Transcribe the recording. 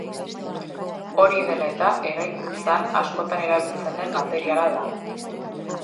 Hori dela eta eraikuntzan askotan erabiltzen den materiala da.